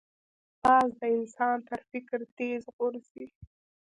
باز د انسان تر فکر تېز غورځي